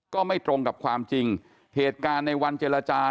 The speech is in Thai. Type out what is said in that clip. ก็ไม่ตรงกับความจริงเหตุการณ์ในวันเจรจา